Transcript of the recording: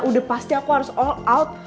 udah pasti aku harus all out